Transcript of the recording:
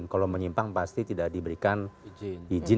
kalau menyimpang pasti tidak diberikan izin